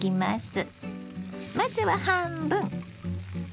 まずは半分。